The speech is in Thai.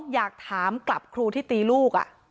อยากถามกลับครูที่ตีลูก